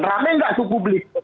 rame gak aku publik